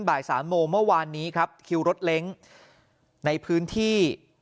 บ่ายสามโมงเมื่อวานนี้ครับคิวรถเล้งในพื้นที่